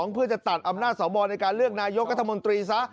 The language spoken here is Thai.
เพื่อจะตัดอำนาจสวในการเลือกนายกรัฐมนตรีซะ